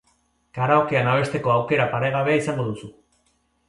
Karaokean abesteko aukera paregabea izango duzu.